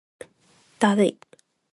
だるい